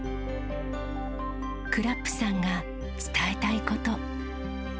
くらっＰさんが伝えたいこと。